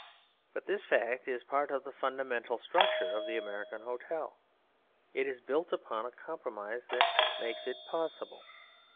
But this fact is part of the fundamental structure of the American hotel; it is built upon a compromise that makes it possible.